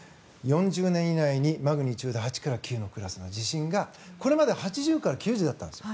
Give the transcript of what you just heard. ４０年以内にマグニチュード８から９クラスの地震がこれまでは８０から９０だったんですよ。